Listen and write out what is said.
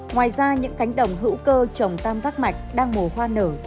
ngoài ra những cánh đồng hữu cơ trồng tam giác mạch đang mùa hoa nở